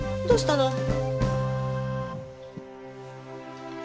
どうしたの？